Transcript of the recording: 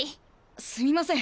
すみません